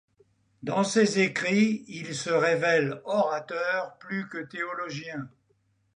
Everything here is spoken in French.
Dans ses écrits, il se révèle orateur plus que théologien.